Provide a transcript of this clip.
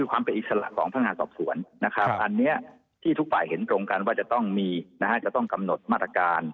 อันนี้ที่ทุกฝ่ายเห็นตรงกันว่าจะต้องมีจะต้องกำหนดมาตรการ